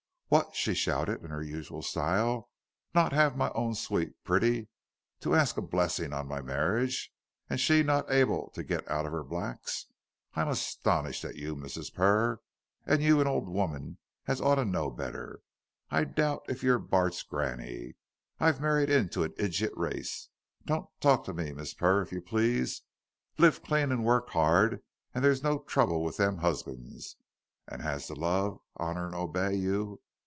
"What!" she shouted in her usual style, "not 'ave my own sweet pretty to arsk a blessing on my marriage, and she not able to git out of 'er blacks? I'm astonished at you, Mrs. Purr, and you an old woman as oughter know better. I doubt if you're Bart's granny. I've married into an ijit race. Don't talk to me, Mrs. Purr, if you please. Live clean an' work 'ard, and there's no trouble with them 'usbands. As 'as to love, honor and obey you."